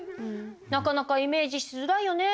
なかなかイメージしづらいよね